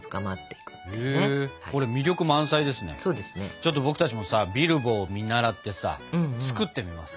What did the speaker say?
ちょっと僕たちもさビルボを見習ってさつくってみますか。